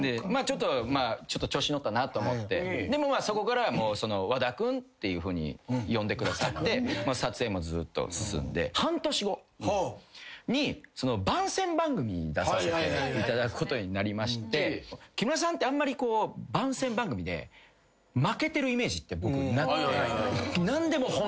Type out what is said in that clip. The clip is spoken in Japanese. でもそこからは。っていうふうに呼んでくださって撮影もずっと進んで半年後に番宣番組に出させていただくことになりまして木村さんって番宣番組で負けてるイメージって僕なくて何でも本気。